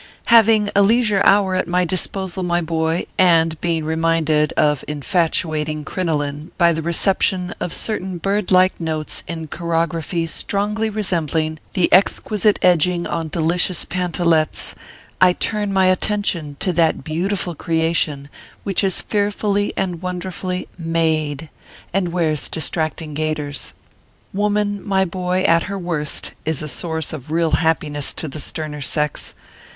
HAVING a leisure hour at my disposal, my boy, and being reminded of infatuating crinoline by the recep tion of certain bird like notes in chirography strongly resembling the exquisite edging on delicious panta lettes, I turn my attention to that beautiful creation which is fearfully and wonderfully maid, and wears distracting gaiters. Woman, my boy, at her worst, is a source of real happiness to the sterner sex.